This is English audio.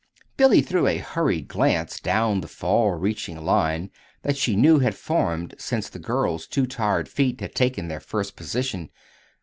Billy threw a hurried glance down the far reaching line that she knew had formed since the girl's two tired feet had taken their first position.